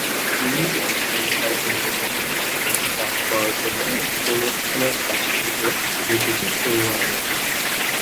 তিনি একজন কার্যনির্বাহী হিসাবে কাজ করার জন্য উক্ত অনুষ্ঠানের কাজ থেকে নিজেকে সরিয়ে আনেন।